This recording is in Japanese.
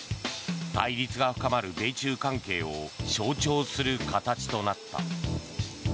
対立が深まる米中関係を象徴する形となった。